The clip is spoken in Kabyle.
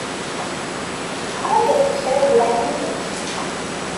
Ɛeyyeḍ-d kra di leɛnaya-k.